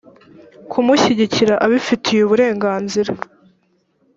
kumushyigikira abifitiye uburenganzira